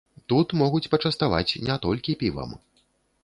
Тут могуць пачаставаць не толькі півам.